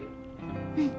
うん。